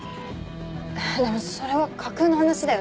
でもそれは架空の話だよね